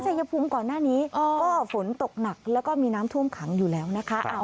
ชายภูมิหวัดหน้านี้ฝนตกหนักและมีน้ำถ้วมคังอยู่แล้วนะ